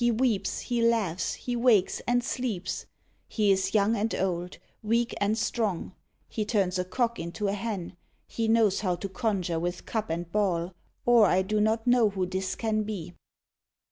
He weeps, he laughs, he wakes, and sleeps. He is young and old, weak and strong. He turns a cock into a hen. He knows how to conjure with cup and ball, Or I do not know who this can be.